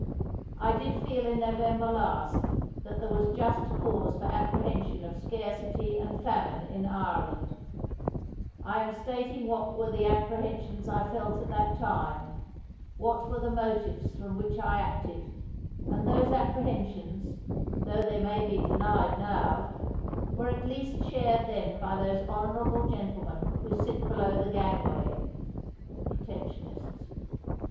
I did feel in November last that there was just cause for apprehension of scarcity and famine in Ireland. I am stating what were the apprehensions I felt at that time, what were the motives from which I acted; and those apprehensions, tho they may be denied • Benjamin Disraeli, afterward Lord Beaconsfleld. 181 THE WORLD'S FAMOUS ORATIONS now, were at least shared then by those honor able gentlemen who sit below the gangway [the Protectionists].